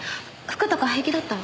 服とか平気だった？